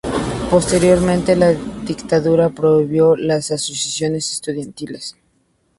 Posteriormente, la dictadura prohibió las asociaciones estudiantiles.